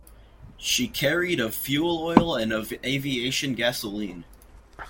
She carried of fuel oil and of aviation gasoline.